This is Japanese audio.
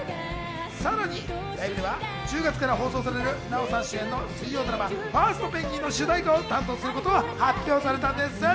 さらにライブでは１０月から放送される奈緒さん主演の水曜ドラマ『ファーストペンギン！』の主題歌を担当することが発表されたんです。